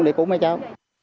ví dụ có